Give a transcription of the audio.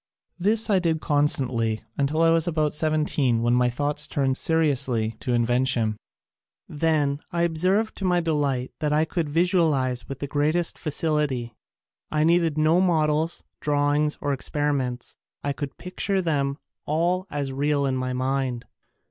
This I did constantly until I was about seventeen when my thoughts turned seri ously to invention. Then I observed to my delight that I could visualize with the great est facility. I needed no models, drawings or experiments. I could picture them all as real in my mind.